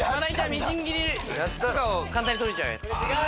みじん切り簡単に取れちゃうやつ。